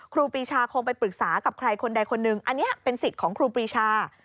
ครูปีชาคงไปปรึกษากับใครคนใดคนหนึ่งอันนี้เป็นสิทธิ์ของครูปรีชา